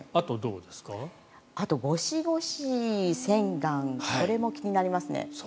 あとゴシゴシ洗顔これも気になりますね。